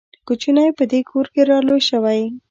کوچنی په دې کور کې را لوی شوی.